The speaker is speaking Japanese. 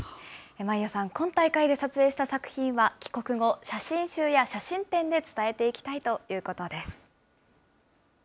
マイアさん、今大会で撮影した作品は、帰国後、写真集や写真展で伝えていきたいということです。